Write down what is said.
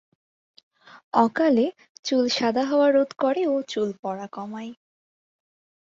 অকালে চুল সাদা হওয়া রোধ করে ও চুল পড়া কমায়।